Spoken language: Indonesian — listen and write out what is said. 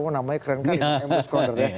oh namanya keren kan